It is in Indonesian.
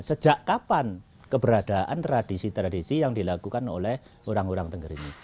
sejak kapan keberadaan tradisi tradisi yang dilakukan oleh orang orang tengger ini